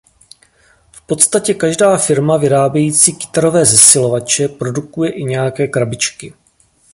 V podstatě každá firma vyrábějící kytarové zesilovače produkuje i nějaké krabičky.